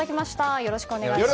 よろしくお願いします。